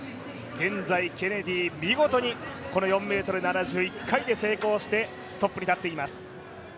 現在、ケネディ見事に４ｍ７０、１回で成功してトップに立っています。